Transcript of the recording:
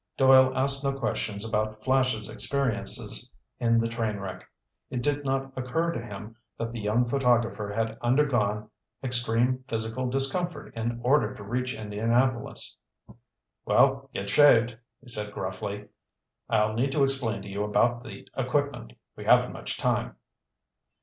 Doyle asked no questions about Flash's experiences in the train wreck. It did not occur to him that the young photographer had undergone extreme physical discomfort in order to reach Indianapolis. "Well, get shaved," he said gruffly. "I'll need to explain to you about the equipment. We haven't much time."